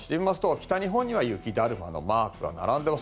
北日本には雪だるまのマークが並んでいます。